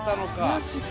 マジか。